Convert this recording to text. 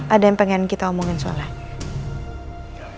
ada yang pengen kita omongin soalnya